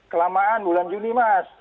kelamaan bulan juni mas